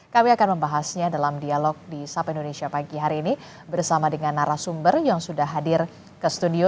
kami akan membahasnya dalam dialog di sapa indonesia pagi hari ini bersama dengan narasumber yang sudah hadir ke studio